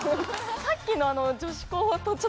さっきの。